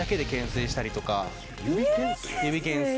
指懸垂！